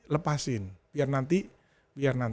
lepasin biar nanti